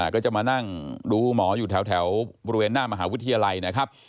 ก็จะมานั่งดูหมออยู่แถวบริเวณหน้ามหาวิทยาลัยนะครับ